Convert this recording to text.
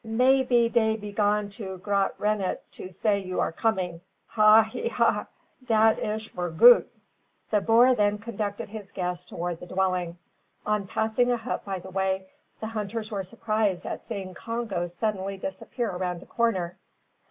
"May be dey be gone to Graaf Reinet to say you are coming. Ha, he, hi! Dat ish ver' goot." The boer then conducted his guests towards the dwelling. On passing a hut by the way, the hunters were surprised at seeing Congo suddenly disappear around a corner!